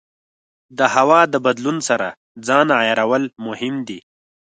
د هوا د بدلون سره ځان عیارول مهم دي.